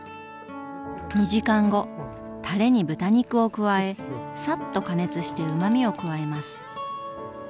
２時間後タレに豚肉を加えサッと加熱してうまみを加えます。